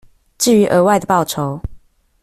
至於額外的報酬